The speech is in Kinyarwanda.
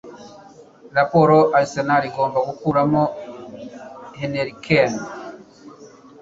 Raporo Arsenal igomba gukuramo Henirikih i